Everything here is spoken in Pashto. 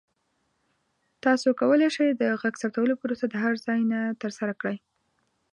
تاسو کولی شئ د غږ ثبتولو پروسه د هر ځای نه ترسره کړئ.